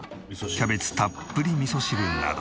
キャベツたっぷり味噌汁など。